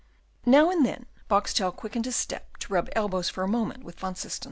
Now and then Boxtel quickened his step to rub elbows for a moment with Van Systens.